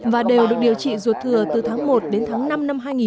và đều được điều trị ruột thừa từ tháng một đến tháng năm năm hai nghìn một mươi tám